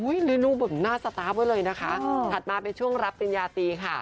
ฤดูแบบหน้าสตาร์ฟไว้เลยนะคะถัดมาเป็นช่วงรับปริญญาตีค่ะ